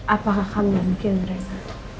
apakah kamu yang bikin reina